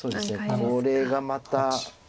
これがまた。